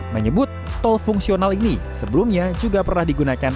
menyebut tol fungsional ini sebelumnya juga pernah digunakan